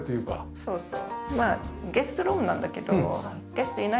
そうそう。